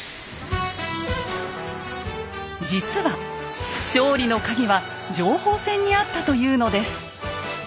実は勝利のカギは情報戦にあったというのです。